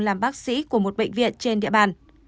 làm bác sĩ của một bệnh viện trên địa bàn